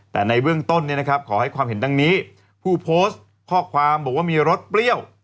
แต่ในเบื้องต้นเนี่ยนะครับขอให้ความเห็นดังนี้ผู้โพสต์ข้อความบอกว่ามีรสเปรี้ยว